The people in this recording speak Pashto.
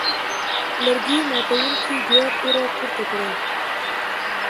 لرګي ماتوونکي بیا توره پورته کړه.